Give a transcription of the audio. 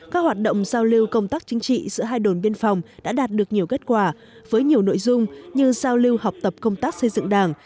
các hoạt động giao lưu công tác chính trị giữa hai đồn biên phòng đã đạt được nhiều kết quả với nhiều nội dung như giao lưu học tập công tác xây dựng đảng